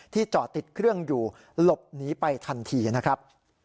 จอดติดเครื่องอยู่หลบหนีไปทันทีนะครับ